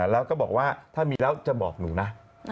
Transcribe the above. แล้วก็บอกว่าถ้ามีแล้วจะบอกหนูนะ